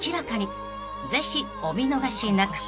［ぜひお見逃しなく］